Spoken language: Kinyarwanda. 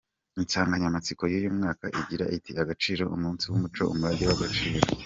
Insanganyamatsiko y’uyu mwaka igira iti "Agaciro: Umunsi w’umuco, umurage w’Agaciro.